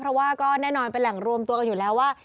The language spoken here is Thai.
เพราะว่าก็แน่นอนเป็นแหล่งรวมตัวกันอยู่แล้วว่า